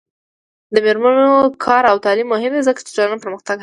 د میرمنو کار او تعلیم مهم دی ځکه چې ټولنې پرمختګ هڅوي.